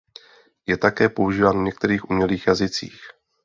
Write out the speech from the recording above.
Je také používán v některých umělých jazycích.